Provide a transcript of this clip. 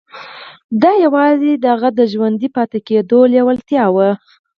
دا یوازې د هغه د ژوندي پاتې کېدو لېوالتیا وه